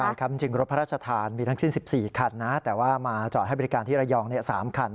ใช่ครับจริงรถพระราชทานมีทั้งสิ้น๑๔คันนะแต่ว่ามาจอดให้บริการที่ระยอง๓คัน